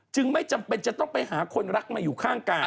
ไม่จำเป็นจะต้องไปหาคนรักมาอยู่ข้างกาย